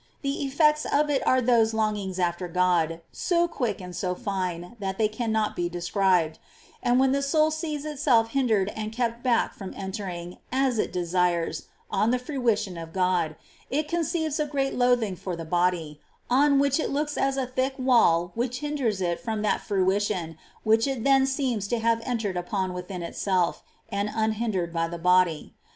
The eflPects of it are those longings after God, so quick and so fine that they cannot be described ; and when the soul sees itself hindered and kept back from entering, as it desires, on the fruition of God, it conceives a great loathing for the bodv, on which it looks as a thick wall which hinders it from that fruition which it then seems to have entered upon within itself, and unhindered by the body.